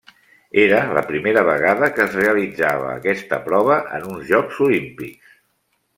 Era la primera vegada que es realitzava aquesta prova en uns Jocs Olímpics.